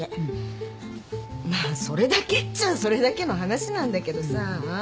まあそれだけっちゃあそれだけの話なんだけどさ。